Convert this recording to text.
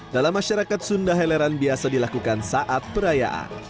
dalam masyarakat sunda heleran biasa dilakukan saat perayaan